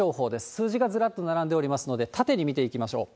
数字がずらっと並んでおりますので、縦に見ていきましょう。